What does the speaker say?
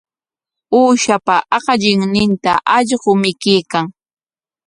Uushapa aqallinninta allqu mikuykan.